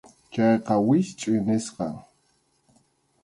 Chayqa wischʼuy nisqam.